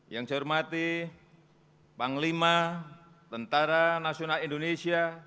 yang saya hormati panglima tentara nasional indonesia